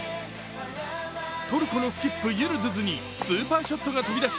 トルコのスキップ・ユルドゥズにスーパーショットが飛び出し